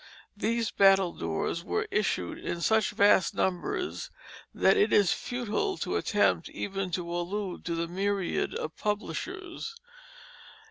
These battledores were issued in such vast numbers that it is futile to attempt even to allude to the myriad of publishers.